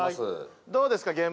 どうですか？